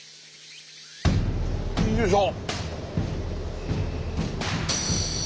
よいしょ。